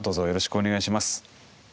お願いいたします。